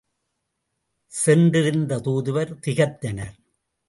சென்றிருந்த தூதுவர் திகைத்தனர்.